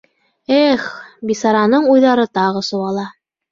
Эх, бисараның уйҙары тағы сыуала.